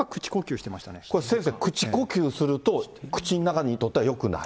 これ、先生、口呼吸すると、口の中にとってはよくない？